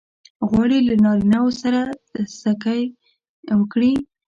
غواړې له نارینه وو سره سکی وکړې؟